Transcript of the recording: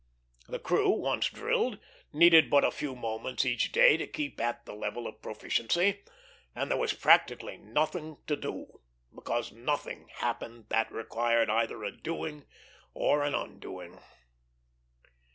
The crew, once drilled, needed but a few moments each day to keep at the level of proficiency; and there was practically nothing to do, because nothing happened that required either a doing or an undoing.